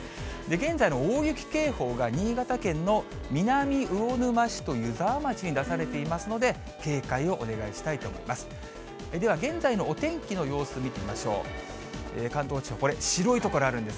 現在の大雪警報が新潟県の南魚沼市と湯沢町に出されていますので、警戒をお願いしたいと思います。